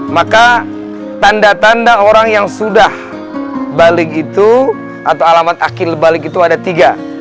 maka tanda tanda orang yang sudah balik itu atau alamat akil balik itu ada tiga